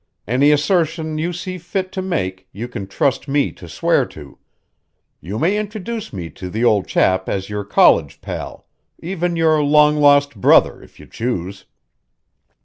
Any assertion you see fit to make you can trust me to swear to. You may introduce me to the old chap as your college pal, even your long lost brother, if you choose."